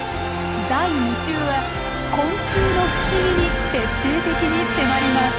第２集は昆虫の不思議に徹底的に迫ります。